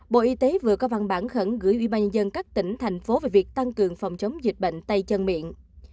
bộ y tế vừa có văn bản khẩn gửi ubnd các tỉnh thành phố về việc tăng cường phòng chống dịch bệnh tay chân miệng